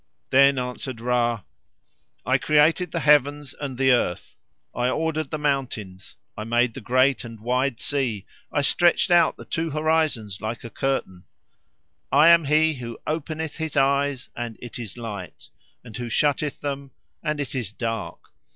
Then answered Ra, "I created the heavens and the earth, I ordered the mountains, I made the great and wide sea, I stretched out the two horizons like a curtain. I am he who openeth his eyes and it is light, and who shutteth them and it is dark.